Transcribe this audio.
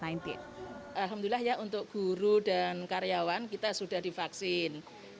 alhamdulillah ya untuk guru dan karyawan kita sudah divaksin